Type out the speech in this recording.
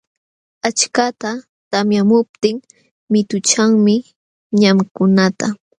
Achkata tamyamuptin mituchanmi ñamkunata.